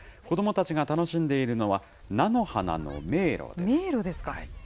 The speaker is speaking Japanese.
子どもたちが楽しんでいるのは、迷路ですか。